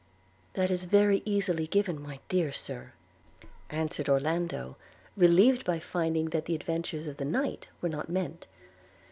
'That is very easily given, my dear Sir,' answered Orlando, relieved by finding that the adventures of the night were not meant.